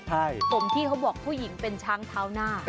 ใช่ผมที่เขาบอกผู้หญิงเป็นช้างเท้าหน้า